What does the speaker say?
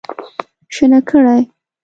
شنه کړی